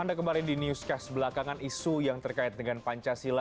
anda kembali di newscast belakangan isu yang terkait dengan pancasila